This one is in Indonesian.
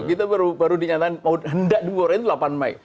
kita baru dinyatakan mau hendak dibore itu delapan mei